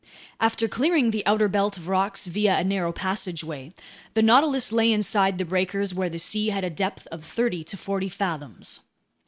After clearing the outer belt of rocks via a narrow passageway, the Nautilus lay inside the breakers where the sea had a depth of thirty to forty fathoms.